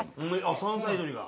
山菜採りが？